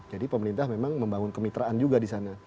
jadi pemerintah memang membangun kemitraan juga di sana